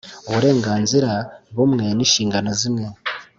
Uburenganzira bumwe n ishingano zimwe